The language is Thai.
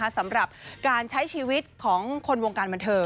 สำหรับการใช้ชีวิตของคนวงการบันเทิง